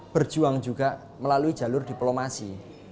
berjuang juga melalui jalur diplomasi